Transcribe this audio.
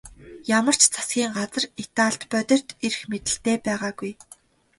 Ямар ч засгийн газар Италид бодит эрх мэдэлтэй байгаагүй.